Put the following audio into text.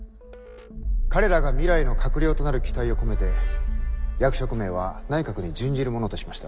「彼らが未来の閣僚となる期待を込めて役職名は内閣に準じるものとしました」。